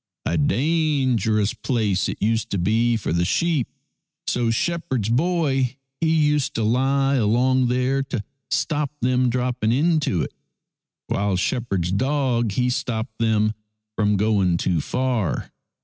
A dangerous place it used to be for the sheep, so shepherd's boy he used to lie along there to stop them dropping into it, while shepherd's dog he stopped them from going too far.